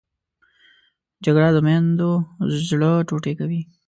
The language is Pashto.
جګړه د میندو زړه ټوټې کوي